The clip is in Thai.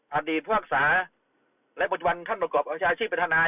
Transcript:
อห่างดีผู้ศึกษาและบทวรรณท่านประกอบอาชญาชีพเป็นทานาย